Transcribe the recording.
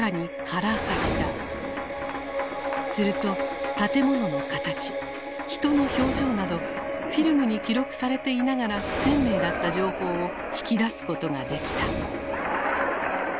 すると建物の形人の表情などフィルムに記録されていながら不鮮明だった情報を引き出すことができた。